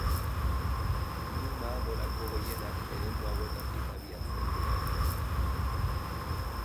Luma gorako gehienak eremu hauetatik abiatzen dira.